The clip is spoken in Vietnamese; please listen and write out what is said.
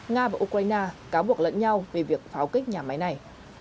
nga và ukraine cáo buộc lẫn nhau về việc pháo kích nhà máy này